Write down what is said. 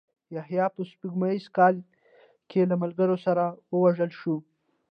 یحیی په سپوږمیز کال کې له ملګرو سره ووژل شو.